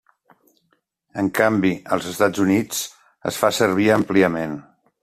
En canvi, als Estats Units es fa servir àmpliament.